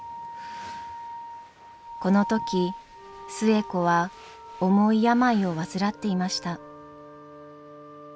この時寿恵子は重い病を患っていました。